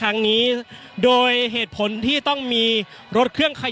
อย่างที่บอกไปว่าเรายังยึดในเรื่องของข้อ